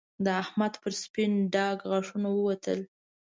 د احمد پر سپين ډاګ غاښونه ووتل